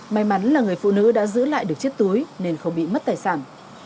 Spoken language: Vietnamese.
may mắn là người phụ nữ đã giữ lại được chiếc túi nên không bị mất tài sản